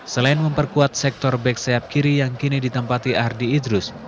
selain memperkuat sektor back sayap kiri yang kini ditempati ardi idrus